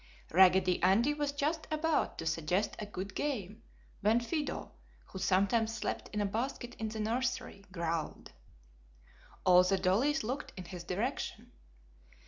Raggedy Andy was just about to suggest a good game, when Fido, who sometimes slept in a basket in the nursery, growled. All the dollies looked in his direction.